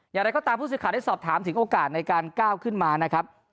อย่างไรก็ตามผู้สื่อข่าวได้สอบถามถึงโอกาสในการก้าวขึ้นมานะครับ